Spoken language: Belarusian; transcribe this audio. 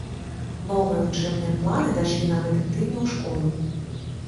Новыя вучэбныя планы дашлі на гэтым тыдні ў школы.